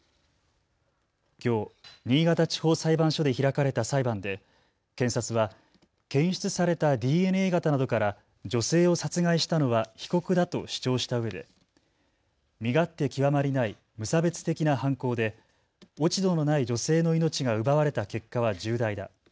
きょう新潟地方裁判所で開かれた裁判で検察は検出されたＤＮＡ型などから女性を殺害したのは被告だと主張したうえで身勝手極まりない無差別的な犯行で落ち度のない女性の命が奪われた結果は重大だ。